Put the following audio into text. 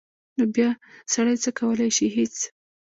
نو بیا سړی څه کولی شي هېڅ.